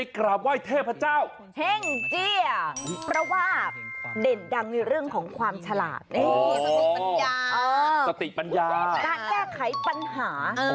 การแก้ไขปัญหา